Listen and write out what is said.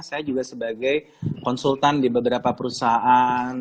saya juga sebagai konsultan di beberapa perusahaan